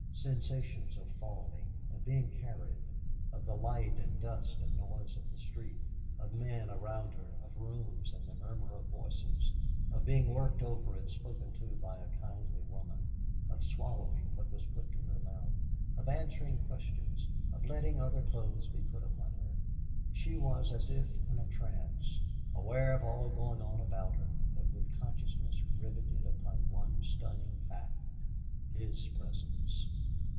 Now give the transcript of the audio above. Sensations of falling, of being carried, of the light and dust and noise of the street, of men around her, of rooms and the murmur of voices, of being worked over and spoken to by a kindly woman, of swallowing what was put to her mouth, of answering questions, of letting other clothes be put upon her; she was as if in a trance, aware of all going on about her, but with consciousness riveted upon one stunning fact his presence.